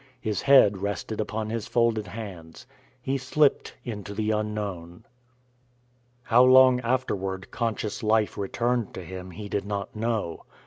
His head rested upon his folded hands. He slipped into the unknown. How long afterward conscious life returned to him he did not know.